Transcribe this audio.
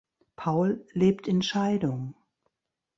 Paul lebt in Scheidung.